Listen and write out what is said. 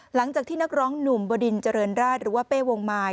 หลังจากที่นักร้องหนุ่มบดินเจริญราชหรือว่าเป้วงมาย